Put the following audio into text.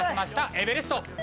エベレスト。